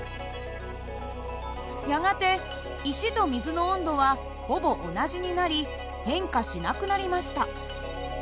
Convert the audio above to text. やがて石と水の温度はほぼ同じになり変化しなくなりました。